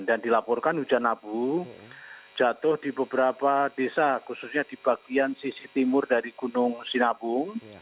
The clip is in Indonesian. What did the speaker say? dan dilaporkan hujan abu jatuh di beberapa desa khususnya di bagian sisi timur dari gunung sinabung